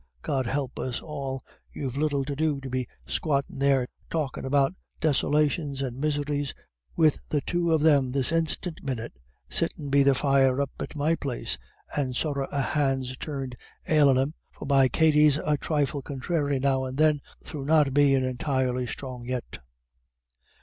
God help us all, you've little to do to be squattin' there talkin' about disolations and miseries, wid the two of them this instiant minyit sittin' be the fire up at my place, and sorra a hand's turn ailin' them, forby Katty's a thrifle conthráry now and agin, thro' not bein' entirely strong yet."